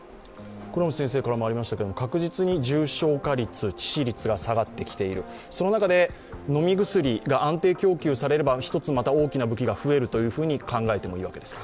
確実に重症化率、致死率が下がってきている、その中で、飲み薬が安定供給されれば一つ大きな武器が増えるというふうに考えてもいいわけですか？